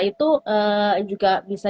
itu juga bisa